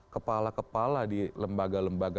kepala kepala di lembaga lembaga